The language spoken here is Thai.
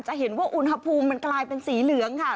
จะเห็นว่าอุณหภูมิมันกลายเป็นสีเหลืองค่ะ